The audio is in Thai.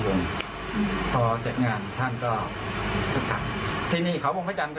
พอเสร็จงานท่านก็สักพักที่นี่เขาวงพระจันทร์ก็